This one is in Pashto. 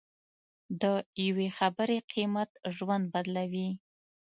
د یوې خبرې قیمت ژوند بدلوي.